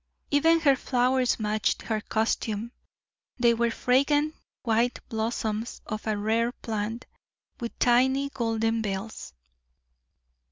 Even her flowers matched her costume. They were fragrant white blossoms of a rare plant, with tiny golden bells.